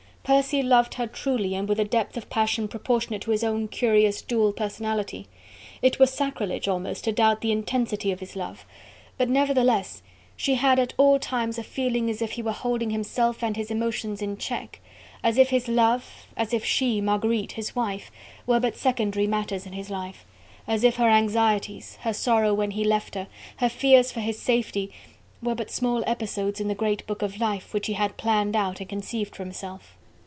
Percy loved her truly and with a depth of passion proportionate to his own curious dual personality: it were sacrilege, almost, to doubt the intensity of his love. But nevertheless she had at all times a feeling as if he were holding himself and his emotions in check, as if his love, as if she, Marguerite, his wife, were but secondary matters in his life; as if her anxieties, her sorrow when he left her, her fears for his safety were but small episodes in the great book of life which he had planned out and conceived for himself.